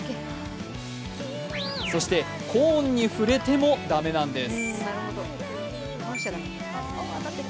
そして、コーンに触れても駄目なんです。